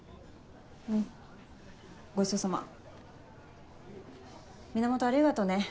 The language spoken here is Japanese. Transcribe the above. んごちそうさま。源ありがとね。